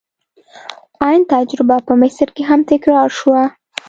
عین تجربه په مصر کې هم تکرار شوه.